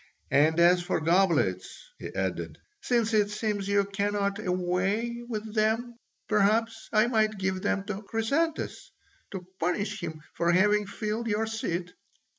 And as for goblets," he added, "since it seems you cannot away with them, perhaps I might give them to Chrysantas to punish him for having filled your seat."